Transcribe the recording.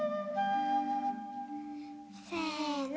せの。